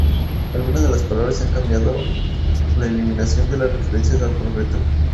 Algunas de las palabras se han cambiado, la eliminación de las referencias al "profeta".